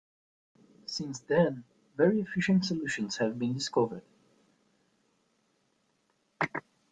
Since then, very efficient solutions have been discovered.